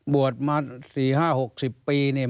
บวชมา๔๕๖๐ปีเนี่ย